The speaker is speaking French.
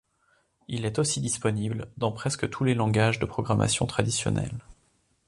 Il est aussi disponible dans presque tous les langages de programmation traditionnels.